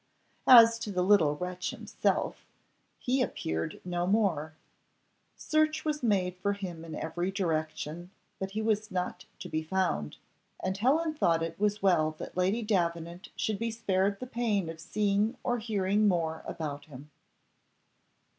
As to the little wretch himself, he appeared no more. Search was made for him in every direction, but he was not to be found, and Helen thought it was well that Lady Davenant should be spared the pain of seeing or hearing more about him.